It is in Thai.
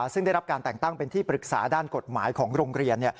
ซึ่งได้รับการแต่งตั้งเป็นที่ปรึกษาด้านกฎหมายของโรงเรียน